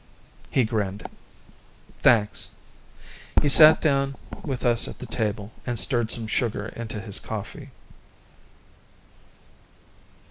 He grinned. "Thanks." He sat down with us at the table, and stirred some sugar into his coffee.